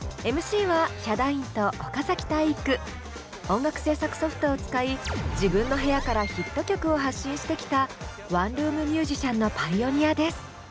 音楽制作ソフトを使い自分の部屋からヒット曲を発信してきたワンルーム☆ミュージシャンのパイオニアです。